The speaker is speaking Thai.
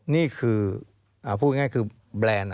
นี่คือพูดง่ายคือแบรนด์